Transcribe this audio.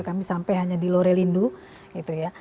kami sampai hanya di lorelindu gitu ya